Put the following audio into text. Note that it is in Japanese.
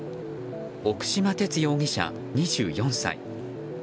奥島哲容疑者、２４歳。